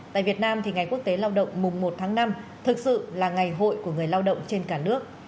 tại việt nam ngày quốc tế lao động mùng một tháng năm thực sự là ngày hội của người lao động trên cả nước